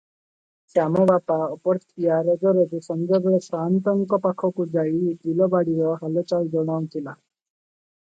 ଶ୍ୟାମ ବାପ ଅପର୍ତ୍ତିଆ ରୋଜରୋଜ ସଞ୍ଜବେଳେ ସାଆନ୍ତଙ୍କ ପାଖକୁ ଯାଇ ବିଲବାଡ଼ିର ହାଲଚାଲ ଜଣାଉଥିଲା